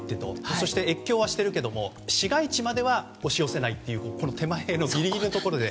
そして越境はしているが市街地までは押し寄せないと手前のギリギリのところで。